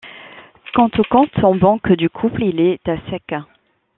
Quant au compte en banque du couple, il est à sec.